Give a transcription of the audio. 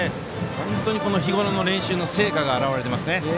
本当に日ごろの練習の成果が表れています。